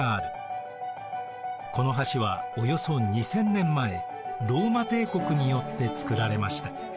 この橋はおよそ２，０００年前ローマ帝国によって造られました。